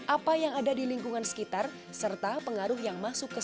apa yang ada di lingkungan sekitar serta pengaruh yang masuk ke sekolah